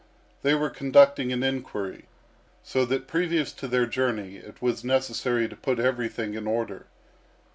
They were conducting an inquiry, so that previous to their journey it was necessary to put everything in order.